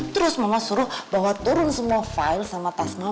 terus mama suruh bawa turun semua file sama tas mama